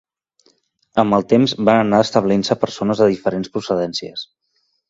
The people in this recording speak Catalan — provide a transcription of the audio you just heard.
Amb el temps van anar establint-se persones de diferents procedències.